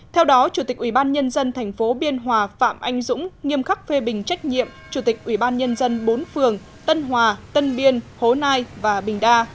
theo đó chủ tịch ubnd tp biên hòa phạm anh dũng nghiêm khắc phê bình trách nhiệm chủ tịch ubnd bốn phường tân hòa tân biên hố nai và bình đa